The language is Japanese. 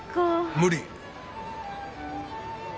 無理。